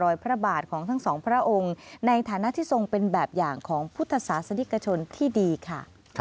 อย่างของพุทธศาสนิกชนที่ดีค่ะ